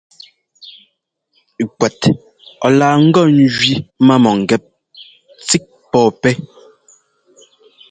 Kuɛt ɔ laa ŋgɔ njẅi má mɔ̂ngɛ́p tsík pɔ̂pɛ́.